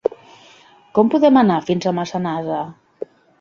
Com podem anar fins a Massanassa?